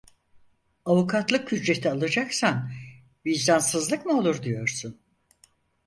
Avukatlık ücreti alacaksan, vicdansızlık mı olur diyorsun?